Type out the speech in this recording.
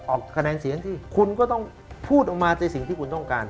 คะแนนเสียงที่คุณก็ต้องพูดออกมาในสิ่งที่คุณต้องการ